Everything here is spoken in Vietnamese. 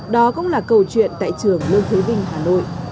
đó cũng là câu chuyện tại trường lương thế vinh hà nội